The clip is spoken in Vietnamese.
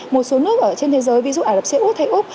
một số nước ở trên thế giới ví dụ ả rập xê út hay úc